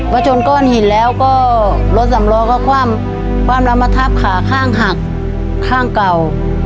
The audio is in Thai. จนก้อนหินแล้วก็รถสำล้อก็คว่ำแล้วมาทับขาข้างหักข้างเก่า